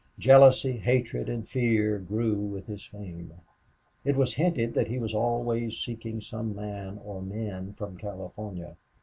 Jealousy, hatred, and fear grew with his fame. It was hinted that he was always seeking some man or men from California.